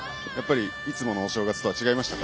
いつものお正月とは違いましたか？